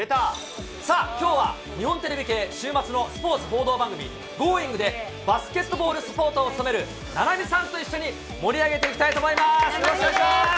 さあ、きょうは日本テレビ系週末のスポーツ報道番組、Ｇｏｉｎｇ！でバスケットボールサポーターを務める菜波さんと一緒に盛り上げ菜波です。